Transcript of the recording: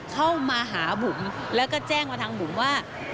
เข้ามาหาบุ๋มแล้วก็แจ้งมาทางบุ๋มว่า